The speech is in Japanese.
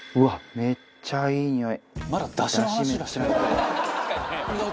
めっちゃいいにおい！